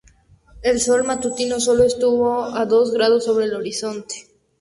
El Sol matutino solo estuvo a dos grados sobre el horizonte.